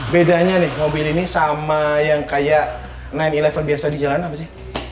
bedanya nih mobil ini sama yang kayak sembilan sebelas di jalan apa sih